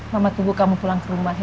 mama tunggu kamu pulang ke rumah